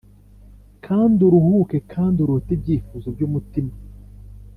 kandi uruhuke kandi urote ibyifuzo byumutima.